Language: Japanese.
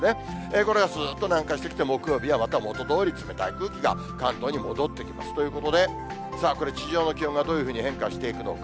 これがすっと南下してきて、木曜日はまた元どおり、冷たい空気が関東に戻ってきますということで、これ、地上の気温がどういうふうに変化していくのか。